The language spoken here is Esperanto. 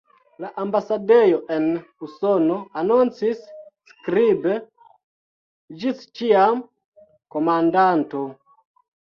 La ambasadejo en Usono anoncis skribe: "Ĝis ĉiam, Komandanto!